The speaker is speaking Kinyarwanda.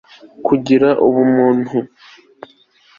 kugira ubumuntu